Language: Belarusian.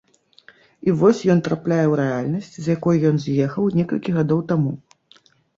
І вось ён трапляе ў рэальнасць, з якой ён з'ехаў некалькі гадоў таму.